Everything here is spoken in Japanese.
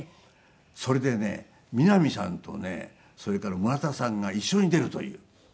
それでね三波さんとねそれから村田さんが一緒に出るという。